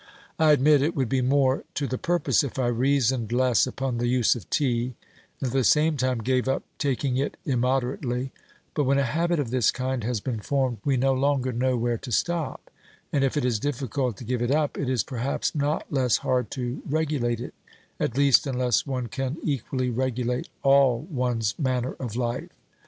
I admit, it would be more to the purpose if I reasoned less upon the use of tea and at the same time gave up taking it immoderately ; but when a habit of this kind has been formed we no longer know where to stop, and if it is difficult to give it up, it is perhaps not less hard to OBERMANN 273 regulate it, at least unless one can equally regulate all one's manner of life.